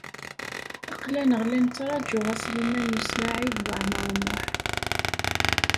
Aql-aneɣ la nettṛaju a Sliman U Saɛid Waɛmaṛ U Muḥ.